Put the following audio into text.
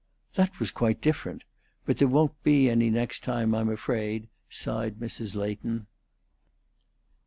"That was quite different. But, there won't be any next time, I'm afraid," sighed Mrs. Leighton.